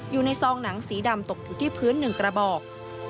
ซองหนังสีดำตกอยู่ที่พื้น๑กระบอก